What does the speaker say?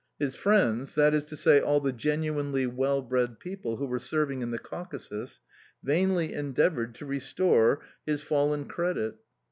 His friends, that is to say all the genuinely well bred people who were serving in the Caucasus, vainly endeavoured to restore his fallen credit.